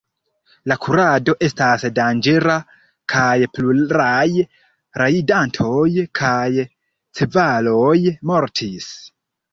La kurado estas danĝera kaj pluraj rajdantoj kaj ĉevaloj mortis.